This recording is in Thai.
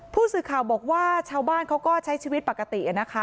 ผู้สื่อข่าวบอกว่าชาวบ้านเขาก็ใช้ชีวิตปกตินะคะ